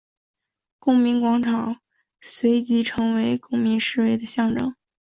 公民广场随即成为公民示威的象征。